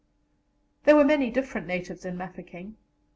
There were many different natives in Mafeking.